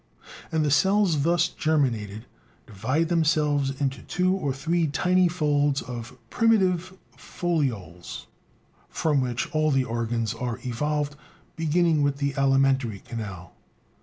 And the cells thus germinated divide themselves into two or three tiny folds of "primitive folioles" from which all the organs are evolved, beginning with the alimentary canal.